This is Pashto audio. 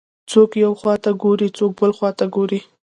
څوک یوې خواته ګوري، څوک بلې خواته ګوري.